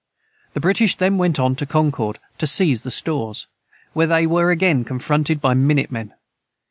_ The British then went on to Concord, to seize the stores, where they were again confronted by minute men.